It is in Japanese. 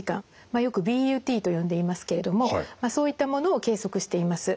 よくＢＵＴと呼んでいますけれどもそういったものを計測しています。